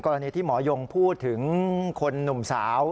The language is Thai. ที่หมอยงพูดถึงคนหนุ่มสาว